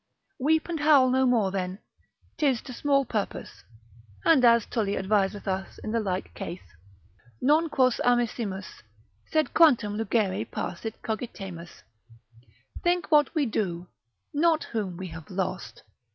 Weep and howl no more then, 'tis to small purpose; and as Tully adviseth us in the like case, Non quos amisimus, sed quantum lugere par sit cogitemus: think what we do, not whom we have lost.